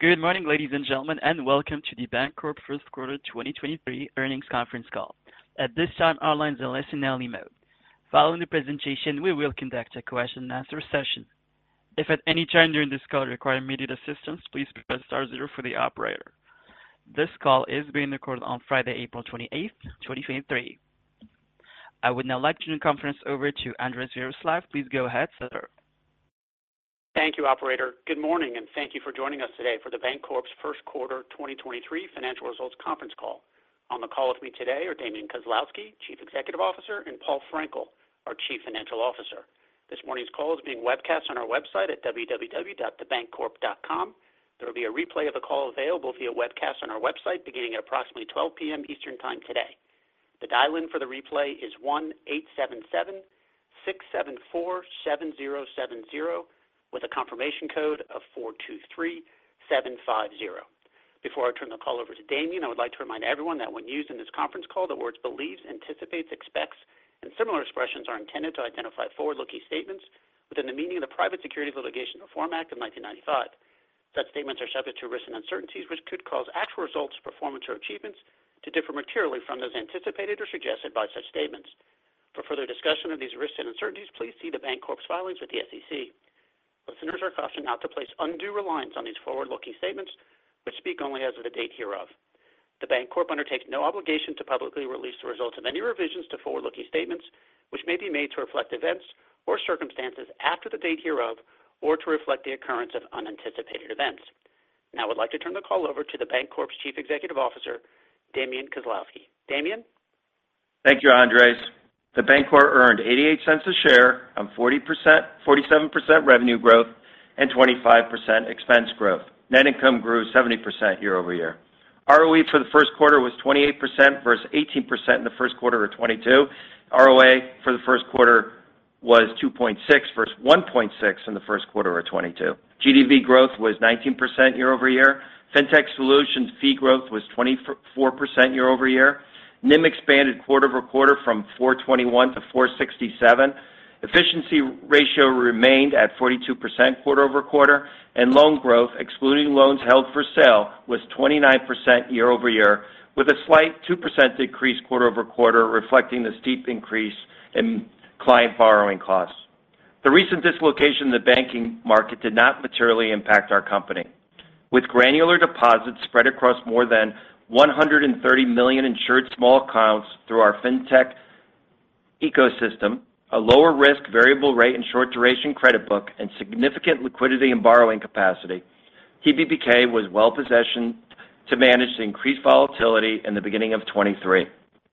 Good morning, ladies and gentlemen, welcome to The Bancorp first quarter 2023 earnings conference call. At this time, our lines are listen only mode. Following the presentation, we will conduct a question and answer session. If at any time during this call you require immediate assistance, please press star zero for the operator. This call is being recorded on Friday, April 28, 2023. I would now like to turn the conference over to Andres Viroslav. Please go ahead, sir. Thank you, operator. Good morning, and thank you for joining us today for The Bancorp's first quarter 2023 financial results conference call. On the call with me today are Damian Kozlowski, Chief Executive Officer, and Paul Frenkiel, our Chief Financial Officer. This morning's call is being webcast on our website at www.thebancorp.com. There will be a replay of the call available via webcast on our website beginning at approximately 12:00 P.M. Eastern Time today. The dial-in for the replay is 1-877-674-7070 with a confirmation code of 423750. Before I turn the call over to Damian, I would like to remind everyone that when used in this conference call, the words believes, anticipates, expects, and similar expressions are intended to identify forward-looking statements within the meaning of the Private Securities Litigation Reform Act of 1995. Such statements are subject to risks and uncertainties which could cause actual results, performance or achievements to differ materially from those anticipated or suggested by such statements. For further discussion of these risks and uncertainties, please see The Bancorp's filings with the SEC. Listeners are cautioned not to place undue reliance on these forward-looking statements, which speak only as of the date hereof. The Bancorp undertakes no obligation to publicly release the results of any revisions to forward-looking statements, which may be made to reflect events or circumstances after the date hereof, or to reflect the occurrence of unanticipated events. I would like to turn the call over to The Bancorp's Chief Executive Officer, Damian Kozlowski. Damian? Thank you, Andres. The Bancorp earned $0.88 a share on 47% revenue growth and 25% expense growth. Net income grew 70% year-over-year. ROE for the first quarter was 28% versus 18% in the first quarter of 2022. ROA for the first quarter was 2.6 versus 1.6 in the first quarter of 2022. GDV growth was 19% year-over-year. Fintech Solutions fee growth was 24% year-over-year. NIM expanded quarter-over-quarter from 4.21 to 4.67. Efficiency ratio remained at 42% quarter-over-quarter. Loan growth, excluding loans held for sale, was 29% year-over-year, with a slight 2% decrease quarter-over-quarter, reflecting the steep increase in client borrowing costs. The recent dislocation in the banking market did not materially impact our company. With granular deposits spread across more than $130 million insured small accounts through our Fintech ecosystem, a lower risk variable rate and short duration credit book and significant liquidity and borrowing capacity, TBBK was well-positioned to manage the increased volatility in the beginning of 2023.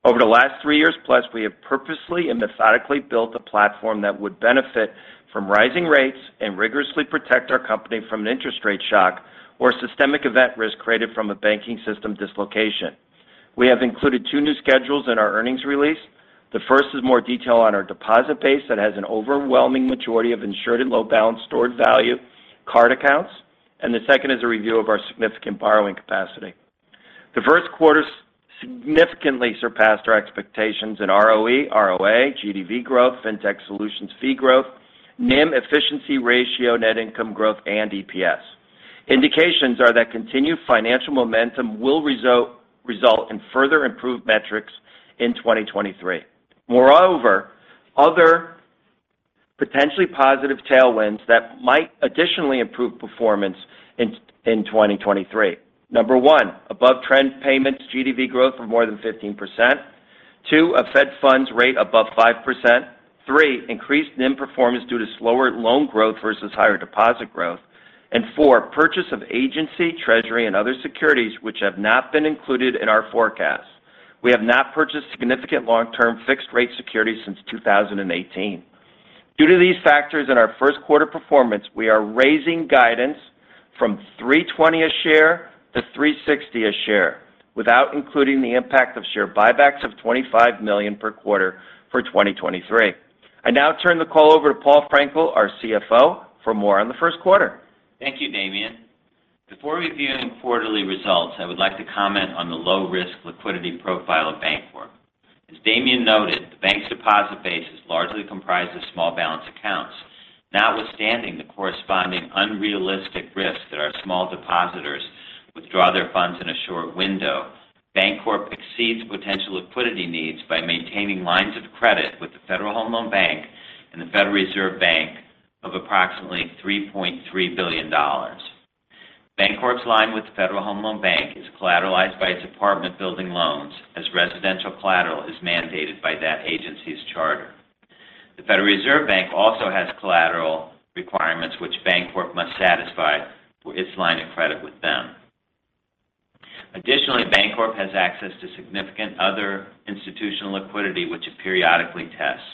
Over the last three years plus, we have purposely and methodically built a platform that would benefit from rising rates and rigorously protect our company from an interest rate shock or systemic event risk created from a banking system dislocation. We have included two new schedules in our earnings release. The first is more detail on our deposit base that has an overwhelming majority of insured and low balance stored value card accounts, and the second is a review of our significant borrowing capacity. The first quarter significantly surpassed our expectations in ROE, ROA, GDV growth, Fintech Solutions fee growth, NIM efficiency ratio, net income growth, and EPS. Indications are that continued financial momentum will result in further improved metrics in 2023. Moreover, other potentially positive tailwinds that might additionally improve performance in 2023. Number one, above-trend payments GDV growth of more than 15%. Two, a Fed funds rate above 5%. Three, increased NIM performance due to slower loan growth versus higher deposit growth. Four, purchase of agency, treasury, and other securities which have not been included in our forecast. We have not purchased significant long-term fixed rate securities since 2018. Due to these factors in our first quarter performance, we are raising guidance from $3.20 a share to $3.60 a share without including the impact of share buybacks of $25 million per quarter for 2023. I now turn the call over to Paul Frenkiel, our CFO, for more on the first quarter. Thank you, Damian. Before reviewing quarterly results, I would like to comment on the low-risk liquidity profile of Bancorp. As Damian noted, the bank's deposit base is largely comprised of small balance accounts. Notwithstanding the corresponding unrealistic risk that our small depositors withdraw their funds in a short window, Bancorp exceeds potential liquidity needs by maintaining lines of credit with the Federal Home Loan Bank and the Federal Reserve Bank of approximately $3.3 billion. Bancorp's line with the Federal Home Loan Bank is collateralized by its apartment building loans as residential collateral is mandated by that agency's charter. The Federal Reserve Bank also has collateral requirements which Bancorp must satisfy for its line of credit with them. Additionally, Bancorp has access to significant other institutional liquidity which it periodically tests.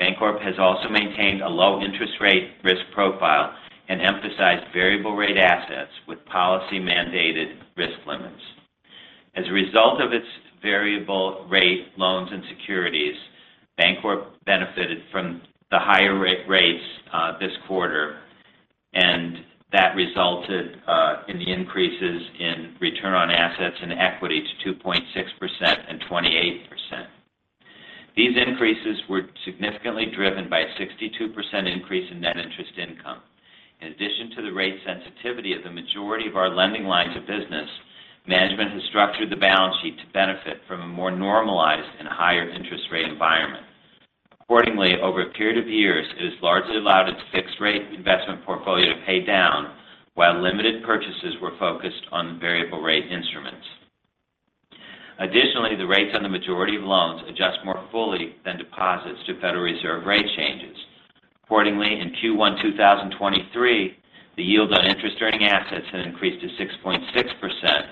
Bancorp has also maintained a low interest rate risk profile and emphasized variable rate assets with policy-mandated risk limits. As a result of its variable rate loans and securities, Bancorp benefited from the higher rates this quarter, and that resulted in the increases in return on assets and equity. These increases were significantly driven by a 62% increase in net interest income. In addition to the rate sensitivity of the majority of our lending lines of business, management has structured the balance sheet to benefit from a more normalized and higher interest rate environment. Accordingly, over a period of years, it has largely allowed its fixed rate investment portfolio to pay down, while limited purchases were focused on variable rate instruments. Additionally, the rates on the majority of loans adjust more fully than deposits to Federal Reserve rate changes. Accordingly, in Q1 2023, the yield on interest earning assets had increased to 6.6%,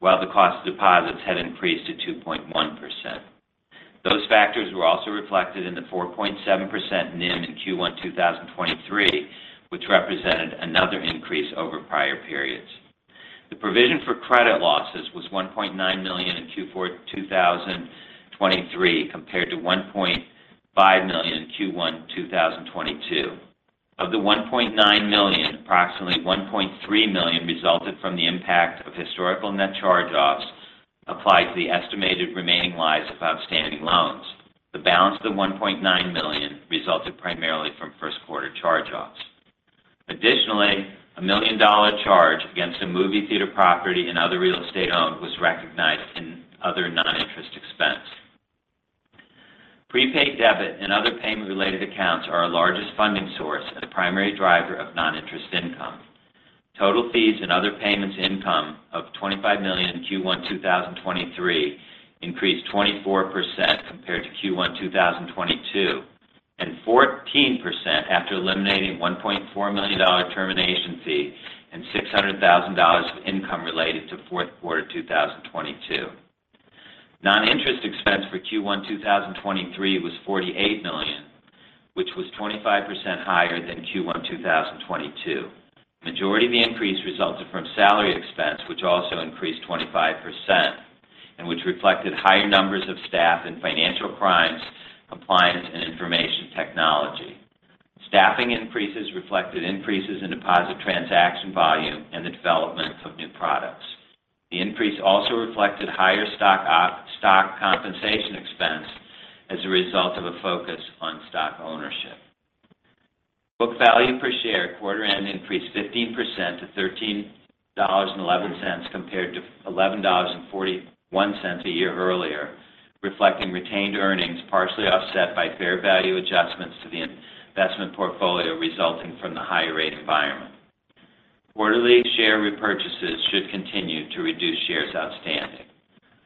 while the cost of deposits had increased to 2.1%. Those factors were also reflected in the 4.7% NIM in Q1 2023, which represented another increase over prior periods. The provision for credit losses was $1.9 million in Q4 2023, compared to $1.5 million in Q1 2022. Of the $1.9 million, approximately $1.3 million resulted from the impact of historical net charge-offs applied to the estimated remaining lives of outstanding loans. The balance of the $1.9 million resulted primarily from first quarter charge-offs. A $1 million charge against a movie theater property and other real estate owned was recognized in other non-interest expense. Prepaid debit and other payment related accounts are our largest funding source and a primary driver of non-interest income. Total fees and other payments income of $25 million in Q1 2023 increased 24% compared to Q1 2022, and 14% after eliminating $1.4 million termination fee and $600,000 of income related to fourth quarter 2022. Non-interest expense for Q1 2023 was $48 million, which was 25% higher than Q1 2022. Majority of the increase resulted from salary expense, which also increased 25%, and which reflected higher numbers of staff in financial crimes, compliance and information technology. Staffing increases reflected increases in deposit transaction volume and the development of new products. The increase also reflected higher stock compensation expense as a result of a focus on stock ownership. Book value per share quarter end increased 15% to $13.11 compared to $11.41 a year earlier, reflecting retained earnings partially offset by fair value adjustments to the investment portfolio resulting from the higher rate environment. Quarterly share repurchases should continue to reduce shares outstanding.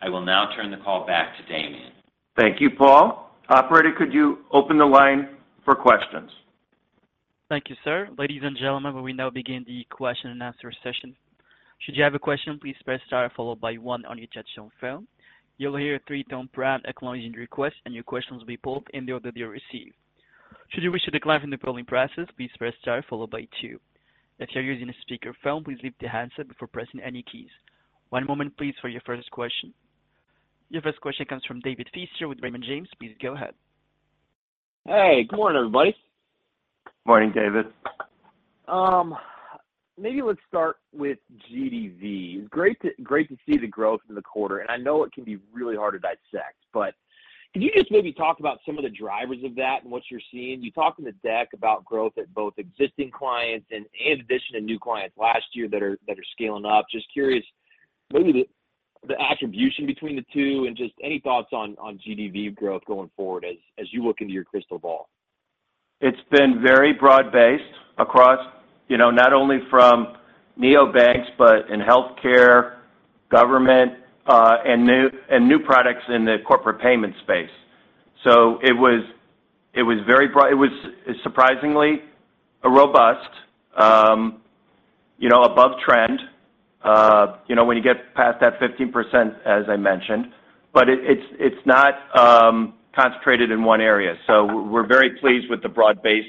I will now turn the call back to Damian. Thank you, Paul. Operator, could you open the line for questions? Thank you, sir. Ladies and gentlemen, we will now begin the question and answer session. Should you have a question, please press star followed by one on your touchtone phone. You'll hear a three-tone prompt acknowledging the request, and your question will be pulled in the order they are received. Should you wish to decline from the polling process, please press star followed by two. If you're using a speakerphone, please lift the handset before pressing any keys. One moment please for your first question. Your first question comes from David Feaster with Raymond James. Please go ahead. Hey, good morning, everybody. Morning, David. Maybe let's start with GDV. Great to see the growth in the quarter. I know it can be really hard to dissect, but could you just maybe talk about some of the drivers of that and what you're seeing? You talked in the deck about growth at both existing clients and addition of new clients last year that are scaling up. Just curious, maybe the attribution between the two and just any thoughts on GDV growth going forward as you look into your crystal ball. It's been very broad-based across, you know, not only from neobanks, but in healthcare, government, and new, and new products in the corporate payment space. It was surprisingly robust, you know, above trend, you know, when you get past that 15%, as I mentioned. It's not concentrated in one area. We're very pleased with the broad-based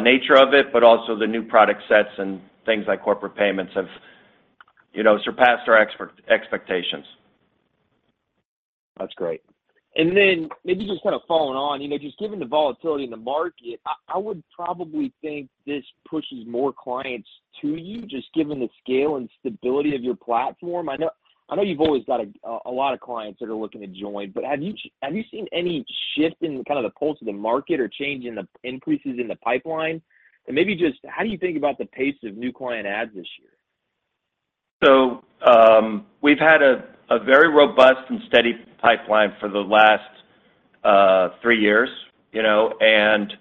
nature of it, but also the new product sets and things like corporate payments have, you know, surpassed our expectations. That's great. Then maybe just kind of following on, you know, just given the volatility in the market, I would probably think this pushes more clients to you, just given the scale and stability of your platform. I know you've always got a lot of clients that are looking to join, but have you seen any shift in kind of the pulse of the market or change in the increases in the pipeline? Maybe just how do you think about the pace of new client adds this year? We've had a very robust and steady pipeline for the last, three years, you know, and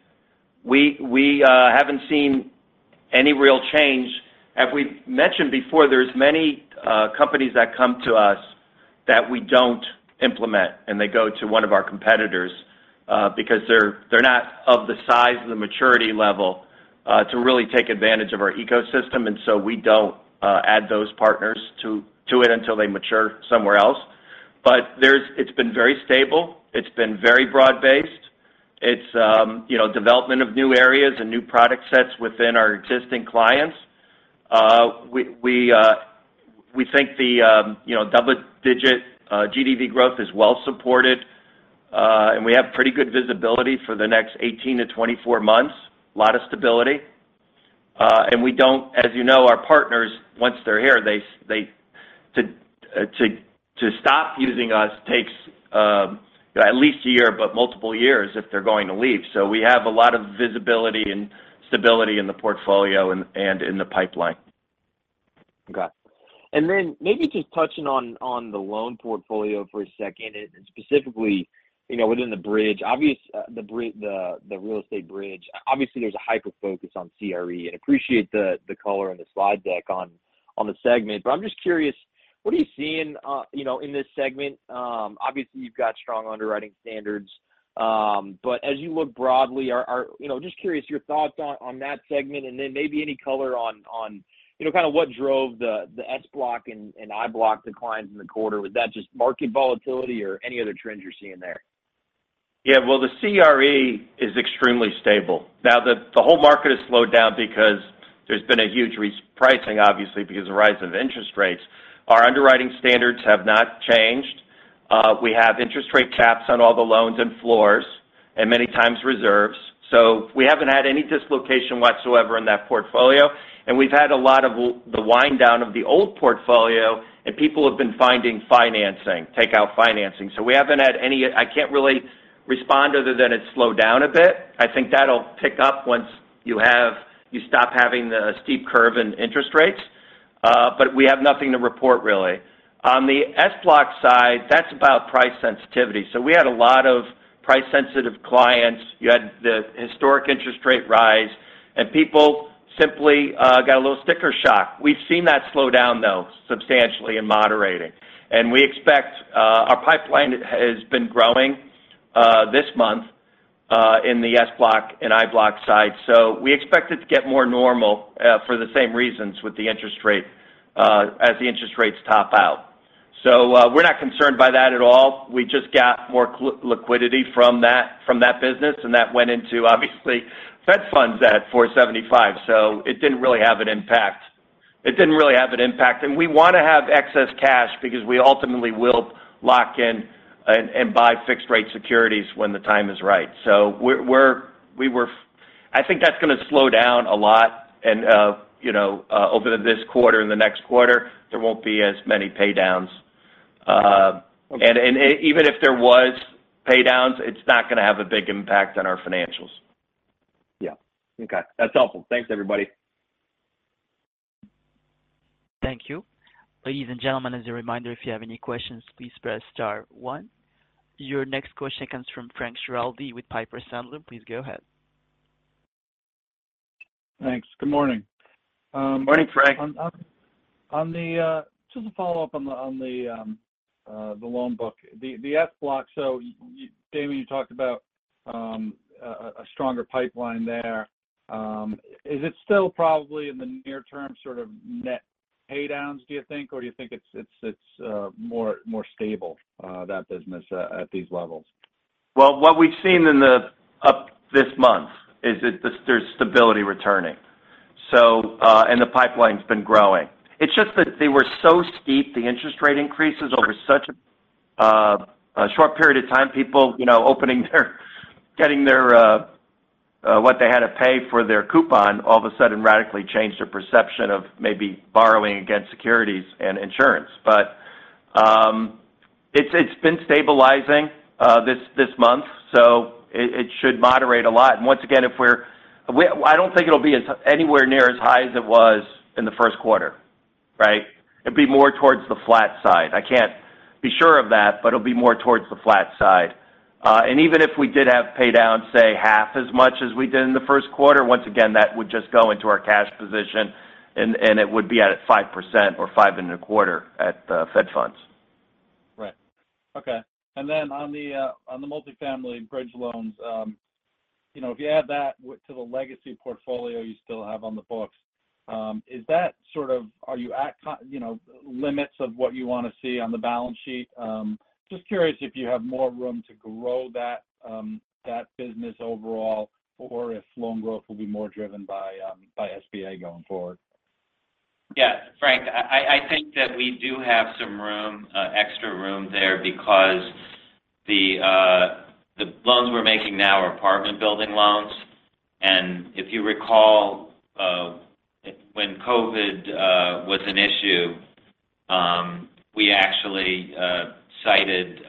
we, haven't seen any real change. As we've mentioned before, there's many, companies that come to us that we don't implement, and they go to one of our competitors, because they're not of the size and the maturity level, to really take advantage of our ecosystem. We don't, add those partners to it until they mature somewhere else. It's been very stable. It's been very broad-based. It's, you know, development of new areas and new product sets within our existing clients. We, we think the, you know, double-digit, GDV growth is well supported, and we have pretty good visibility for the next 18-24 months. Lot of stability. We don't, as you know, our partners, once they're here, to stop using us takes at least a year, but multiple years if they're going to leave. We have a lot of visibility and stability in the portfolio and in the pipeline. Got it. maybe just touching on the loan portfolio for a second, and specifically, you know, within the bridge, the real estate bridge, obviously, there's a hyper-focus on CRE, and appreciate the color in the slide deck on the segment. I'm just curious, what are you seeing, you know, in this segment? obviously, you've got strong underwriting standards. as you look broadly, You know, just curious your thoughts on that segment, and then maybe any color on, you know, kinda what drove the SBLOC and IBLOC declines in the quarter. Was that just market volatility or any other trends you're seeing there? Well, the CRE is extremely stable. The whole market has slowed down because there's been a huge repricing, obviously, because of the rise of interest rates. Our underwriting standards have not changed. We have interest rate caps on all the loans and floors, and many times reserves. We haven't had any dislocation whatsoever in that portfolio. We've had a lot of the wind down of the old portfolio, and people have been finding financing, take-out financing. We haven't had any. I can't really respond other than it's slowed down a bit. I think that'll pick up once you stop having the steep curve in interest rates. We have nothing to report, really. On the SBLOC side, that's about price sensitivity. We had a lot of price-sensitive clients. You had the historic interest rate rise. People simply got a little sticker shock. We've seen that slow down, though, substantially and moderating. We expect our pipeline has been growing this month in the SBLOC and IBLOC side. We expect it to get more normal for the same reasons with the interest rate as the interest rates top out. We're not concerned by that at all. We just got more liquidity from that business, and that went into, obviously, Fed funds at 4.75%. It didn't really have an impact. It didn't really have an impact. We wanna have excess cash because we ultimately will lock in and buy fixed rate securities when the time is right. We were... I think that's gonna slow down a lot and, you know, over this quarter and the next quarter, there won't be as many pay downs. Even if there was pay downs, it's not gonna have a big impact on our financials. Yeah. Okay. That's helpful. Thanks, everybody. Thank you. Ladies and gentlemen, as a reminder, if you have any questions, please press star one. Your next question comes from Frank Schiraldi with Piper Sandler. Please go ahead. Thanks. Good morning. Morning, Frank. On the, just to follow up on the loan book. The SBLOC. Damian, you talked about a stronger pipeline there. Is it still probably in the near term sort of net pay downs, do you think, or you think it's more stable that business at these levels? What we've seen in the up this month is that there's stability returning. The pipeline's been growing. It's just that they were so steep, the interest rate increases over such a short period of time. People, you know, getting their what they had to pay for their coupon all of a sudden radically changed their perception of maybe borrowing against securities and insurance. It's been stabilizing this month, so it should moderate a lot. Once again, I don't think it'll be anywhere near as high as it was in the first quarter, right? It'd be more towards the flat side. I can't be sure of that, but it'll be more towards the flat side. Even if we did have pay down, say, half as much as we did in the first quarter, once again, that would just go into our cash position and it would be at a 5% or 5.25 at Fed funds. Right. Okay. On the on the multifamily bridge loans, you know, if you add that to the legacy portfolio you still have on the books, is that sort of, are you at you know, limits of what you wanna see on the balance sheet? Just curious if you have more room to grow that business overall, or if loan growth will be more driven by SBA going forward. Frank, I think that we do have some room, extra room there because the loans we're making now are apartment building loans. If you recall, when COVID was an issue, we actually cited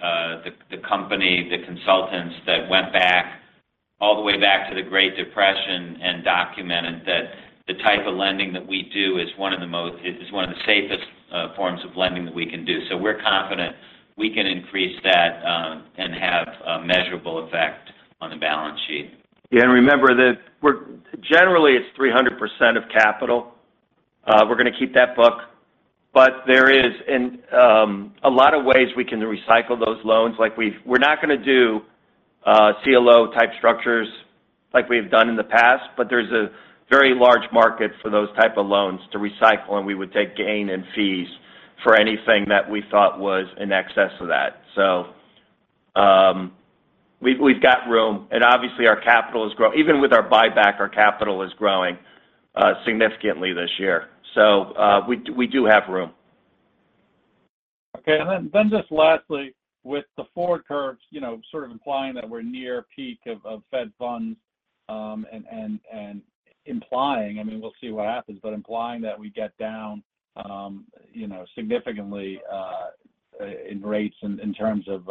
the company, the consultants that went back all the way back to the Great Depression and documented that the type of lending that we do is one of the safest forms of lending that we can do. We're confident we can increase that and have a measurable effect on the balance sheet. Remember that generally, it's 300% of capital. We're gonna keep that book. There is a lot of ways we can recycle those loans. Like, we're not gonna do CLO type structures like we have done in the past, but there's a very large market for those type of loans to recycle, and we would take gain and fees for anything that we thought was in excess of that. We've got room, and obviously, our capital is growing significantly this year. We do have room. Then just lastly, with the forward curves, you know, sort of implying that we're near peak of Fed funds, and implying, I mean, we'll see what happens, but implying that we get down, you know, significantly, in rates in terms of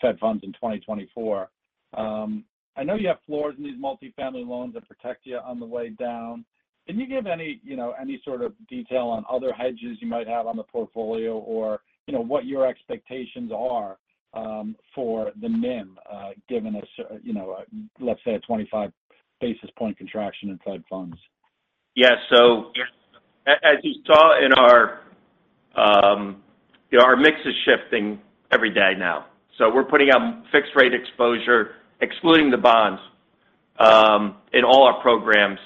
Fed funds in 2024. I know you have floors in these multifamily loans that protect you on the way down. Can you give any, you know, any sort of detail on other hedges you might have on the portfolio or, you know, what your expectations are, for the NIM, given a you know, a, let's say a 25 basis point contraction in Fed funds? As you saw in our, you know, our mix is shifting every day now. We're putting on fixed rate exposure, excluding the bonds, in all our programs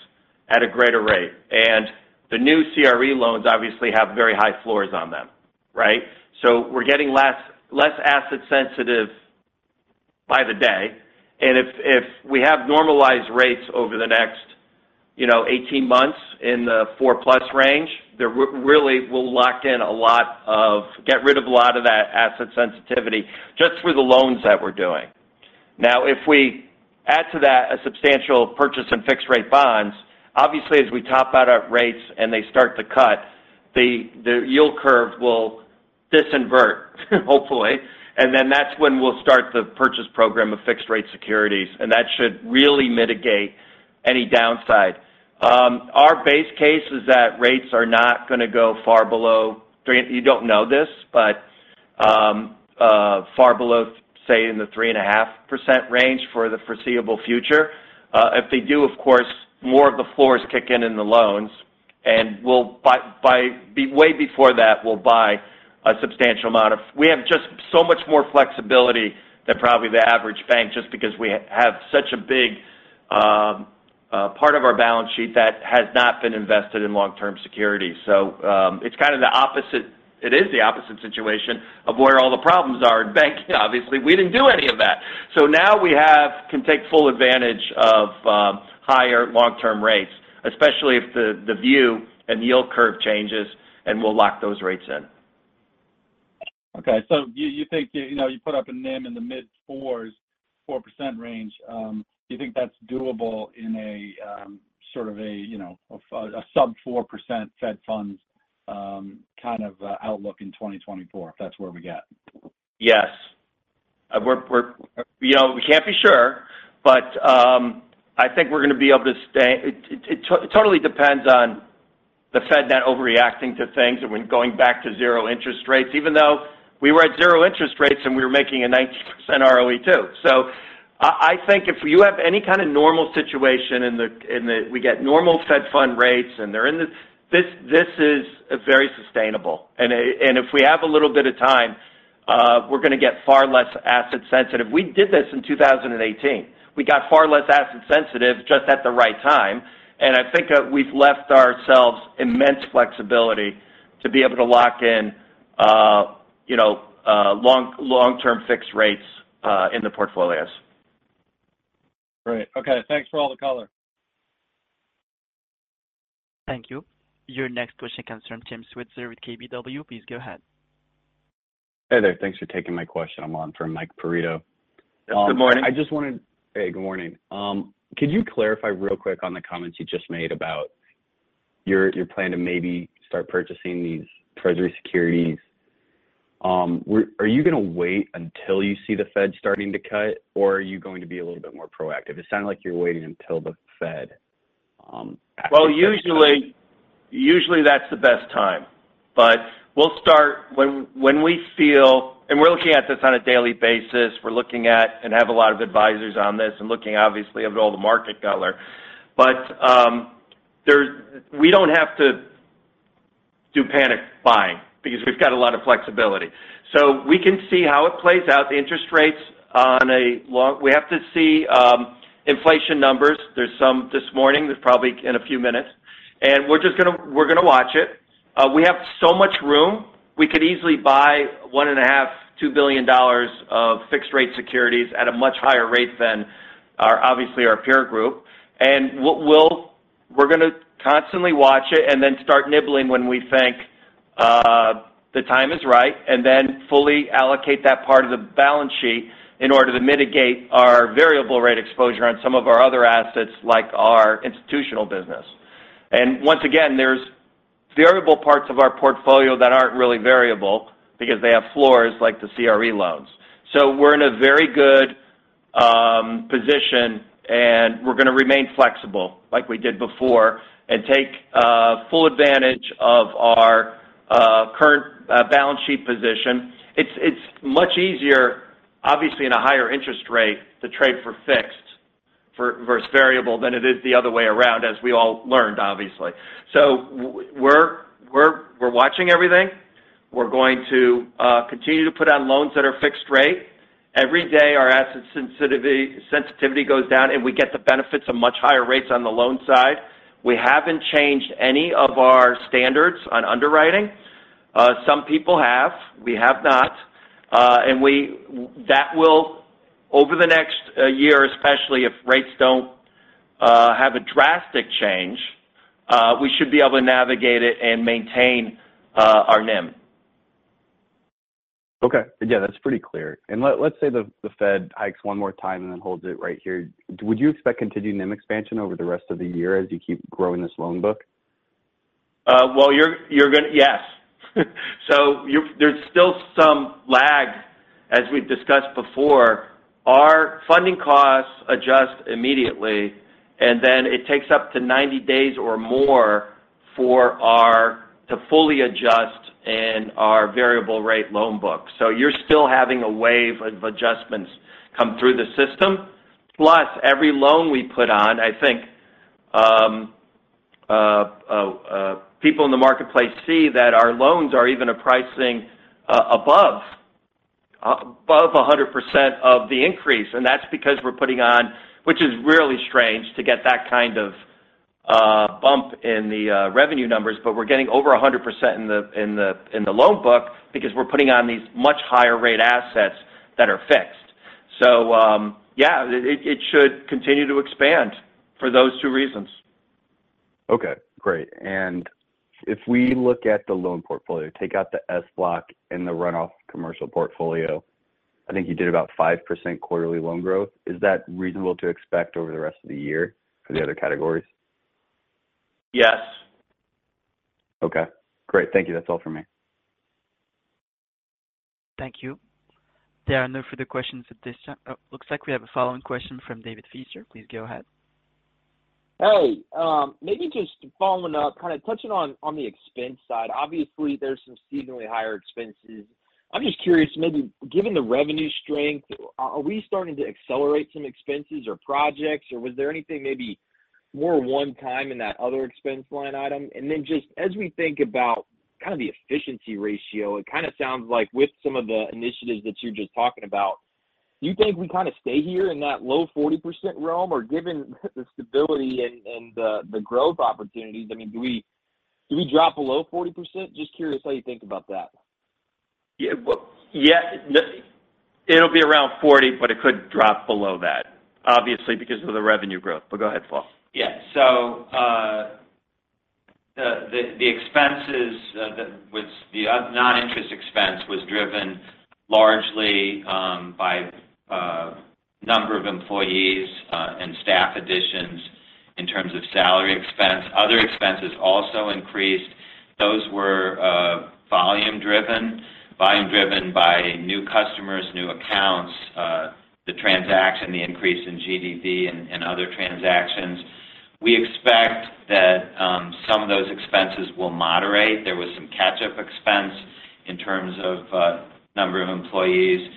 at a greater rate. The new CRE loans obviously have very high floors on them, right? We're getting less asset sensitive by the day. If we have normalized rates over the next, you know, 18 months in the 4+ range, there really we'll get rid of a lot of that asset sensitivity just through the loans that we're doing. If we add to that a substantial purchase in fixed rate bonds, obviously as we top out our rates and they start to cut, the yield curve will disinvert hopefully, and then that's when we'll start the purchase program of fixed rate securities, and that should really mitigate any downside. Our base case is that rates are not gonna go far below you don't know this, but far below, say, in the 3.5% range for the foreseeable future. If they do, of course, more of the floors kick in in the loans, and we'll buy way before that, we'll buy a substantial amount of... We have just so much more flexibility than probably the average bank, just because we have such a big part of our balance sheet that has not been invested in long-term securities. It's kind of the opposite, it is the opposite situation of where all the problems are in banking, obviously, we didn't do any of that. Now we can take full advantage of higher long-term rates, especially if the view and yield curve changes, and we'll lock those rates in. You, you think, you know, you put up a NIM in the mid-4s, 4% range. Do you think that's doable in a sort of a, you know, a sub-4% Fed funds kind of outlook in 2024 if that's where we get? Yes. We're you know, we can't be sure, but I think we're gonna be able to stay. It totally depends on the Fed not overreacting to things and when going back to zero interest rates, even though we were at zero interest rates and we were making a 19% ROE too. I think if you have any kind of normal situation in the we get normal Fed funds rates and they're in the this is very sustainable. If we have a little bit of time, we're gonna get far less asset sensitive. We did this in 2018. We got far less asset sensitive just at the right time, and I think that we've left ourselves immense flexibility to be able to lock in, you know, long, long-term fixed rates, in the portfolios. Great. Okay. Thanks for all the color. Thank you. Your next question comes from Tim Switzer with KBW. Please go ahead. Hey there. Thanks for taking my question. I'm on for Mike Perito. Good morning. Hey, good morning. Could you clarify real quick on the comments you just made about your plan to maybe start purchasing these Treasury securities. Are you gonna wait until you see the Fed starting to cut, or are you going to be a little bit more proactive? It sounded like you're waiting until the Fed. Well, usually that's the best time. We'll start when we feel... We're looking at this on a daily basis. We're looking at, and have a lot of advisors on this, and looking obviously over all the market color. There's... We don't have to do panic buying because we've got a lot of flexibility. We can see how it plays out, the interest rates on a long... We have to see inflation numbers. There's some this morning. There's probably in a few minutes. We're just gonna watch it. We have so much room. We could easily buy $1.5 billion-$2 billion of fixed rate securities at a much higher rate than our, obviously our peer group. What we'll... We're gonna constantly watch it and then start nibbling when we think the time is right, and then fully allocate that part of the balance sheet in order to mitigate our variable rate exposure on some of our other assets like our institutional business. Once again, there's variable parts of our portfolio that aren't really variable because they have floors like the CRE loans. We're in a very good position, and we're gonna remain flexible like we did before, and take full advantage of our current balance sheet position. It's much easier, obviously in a higher interest rate, to trade for fixed versus variable than it is the other way around, as we all learned, obviously. We're watching everything. We're going to continue to put on loans that are fixed rate. Every day, our asset sensitivity goes down. We get the benefits of much higher rates on the loan side. We haven't changed any of our standards on underwriting. Some people have. We have not. That will over the next year, especially if rates don't have a drastic change, we should be able to navigate it and maintain our NIM. Okay. Yeah, that's pretty clear. let's say the Fed hikes one more time and then holds it right here. Would you expect continued NIM expansion over the rest of the year as you keep growing this loan book? Well, Yes. there's still some lag, as we've discussed before. Our funding costs adjust immediately, and then it takes up to 90 days or more to fully adjust in our variable rate loan book. You're still having a wave of adjustments come through the system. Every loan we put on, I think, people in the marketplace see that our loans are even a pricing above 100% of the increase. That's because we're putting on which is really strange to get that kind of bump in the revenue numbers, but we're getting over 100% in the loan book because we're putting on these much higher rate assets that are fixed. Yeah, it should continue to expand for those two reasons. Okay, great. If we look at the loan portfolio, take out the SBLOC and the runoff commercial portfolio, I think you did about 5% quarterly loan growth. Is that reasonable to expect over the rest of the year for the other categories? Yes. Okay, great. Thank you. That's all for me. Thank you. There are no further questions at this. Oh, looks like we have a following question from David Feaster. Please go ahead. Hey, maybe just following up, kind of touching on the expense side. Obviously, there's some seasonally higher expenses. I'm just curious, maybe given the revenue strength, are we starting to accelerate some expenses or projects, or was there anything maybe more one time in that other expense line item? Then just as we think about kind of the efficiency ratio, it kind of sounds like with some of the initiatives that you're just talking about, do you think we kind of stay here in that low 40% realm? Or given the stability and the growth opportunities, I mean, do we drop below 40%? Just curious how you think about that. Yeah, well, yes. It'll be around 40, but it could drop below that, obviously, because of the revenue growth. Go ahead, Paul. The expenses with the non-interest expense was driven largely by number of employees and staff additions in terms of salary expense. Other expenses also increased. Those were volume driven. Volume driven by new customers, new accounts, the transaction, the increase in GDV and other transactions. We expect that some of those expenses will moderate. There was some catch-up expense in terms of number of employees.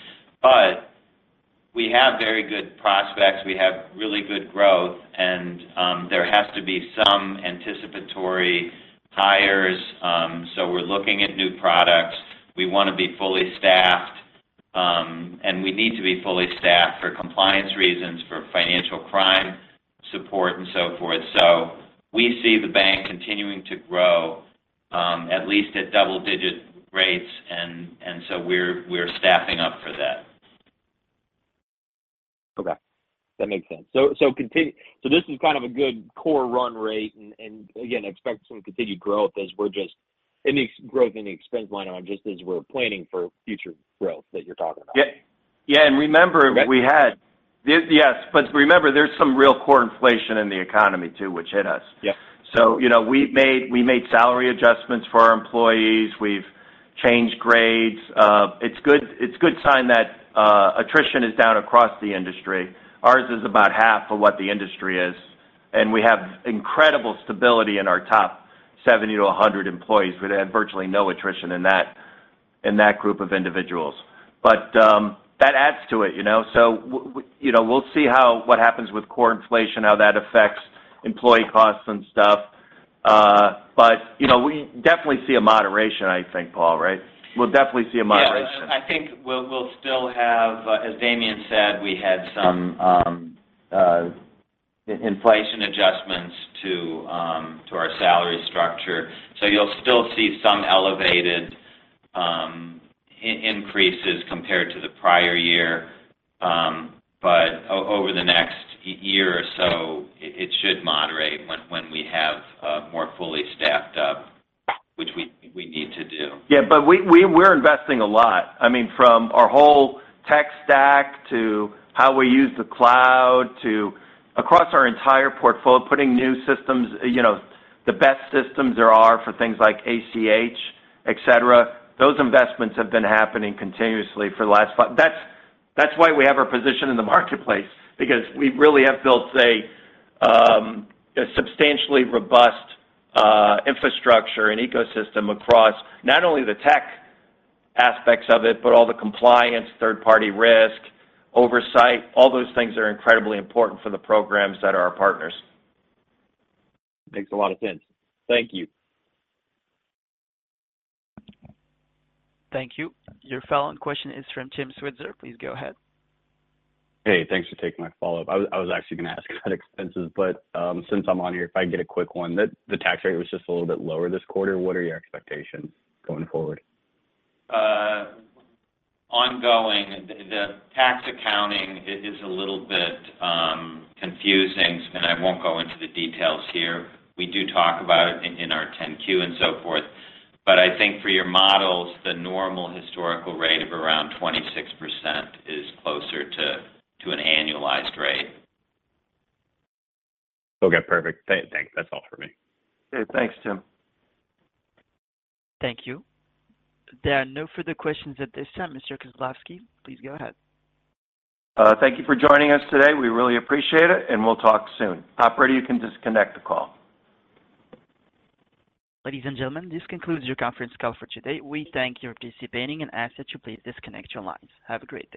We have very good prospects. We have really good growth and there has to be some anticipatory hires. We're looking at new products. We wanna be fully staffed. We need to be fully staffed for compliance reasons, for financial crime support and so forth. we see the bank continuing to grow, at least at double-digit rates and so we're staffing up for that. Okay. That makes sense. This is kind of a good core run rate and again, expect some continued growth in the expense line item just as we're planning for future growth that you're talking about. Yeah. remember, we had. Okay. Remember, there's some real core inflation in the economy too, which hit us. Yeah. You know, we made salary adjustments for our employees. We've changed grades. It's good sign that attrition is down across the industry. Ours is about half of what the industry is, and we have incredible stability in our top 70 to 100 employees. We've had virtually no attrition in that group of individuals. That adds to it, you know. You know, we'll see how what happens with core inflation, how that affects employee costs and stuff. You know, we definitely see a moderation, I think, Paul, right? We'll definitely see a moderation. Yeah. I think we'll still have, as Damian said, we had some inflation adjustments to our salary structure. You'll still see some elevated increases compared to the prior year. Over the next year or so, it should moderate when we have more fully staffed up, which we need to do. Yeah. We're investing a lot. I mean, from our whole tech stack to how we use the cloud to across our entire portfolio, putting new systems, you know, the best systems there are for things like ACH, et cetera. Those investments have been happening continuously for the last five... That's why we have our position in the marketplace because we really have built a substantially robust infrastructure and ecosystem across not only the tech aspects of it, but all the compliance, third party risk, oversight. All those things are incredibly important for the programs that are our partners. Makes a lot of sense. Thank you. Thank you. Your following question is from Tim Switzer. Please go ahead. Hey, thanks for taking my follow-up. I was actually gonna ask about expenses, but since I'm on here, if I can get a quick one. The tax rate was just a little bit lower this quarter. What are your expectations going forward? Ongoing. The tax accounting is a little bit confusing, and I won't go into the details here. We do talk about it in our 10-Q and so forth. I think for your models, the normal historical rate of around 26% is closer to an annualized rate. Okay, perfect. Thanks. That's all for me. Okay. Thanks, Tim. Thank you. There are no further questions at this time. Mr. Kozlowski, please go ahead. Thank you for joining us today. We really appreciate it. We'll talk soon. Operator, you can disconnect the call. Ladies and gentlemen, this concludes your conference call for today. We thank your participating and ask that you please disconnect your lines. Have a great day.